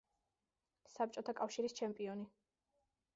საბჭოთა კავშირის ჩემპიონი.